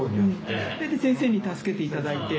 で先生に助けていただいて。